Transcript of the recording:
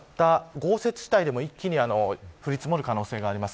豪雪地帯でも一気に降り積もる可能性があります。